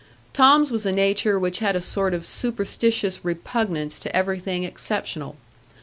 Tom's was a nature which had a sort of superstitious repugnance to everything exceptional.